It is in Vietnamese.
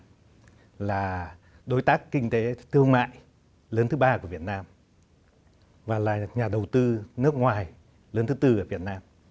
liên minh châu âu là đối tác kinh tế thương mại lớn thứ ba của việt nam và là nhà đầu tư nước ngoài lớn thứ tư của việt nam